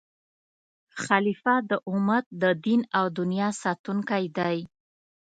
خلیفه د امت د دین او دنیا ساتونکی دی.